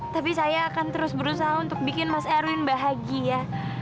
tapi saya akan terus berusaha untuk bikin mas erwin bahagia